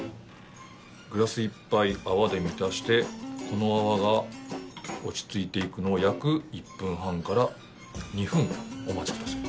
グラスいっぱい泡で満たしてこの泡が落ち着いていくのを約１分半から２分お待ち下さい。